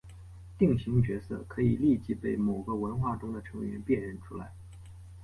定型角色可以立即被某个文化中的成员辨认出来。